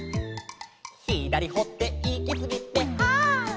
「ひだりほっていきすぎてはっ」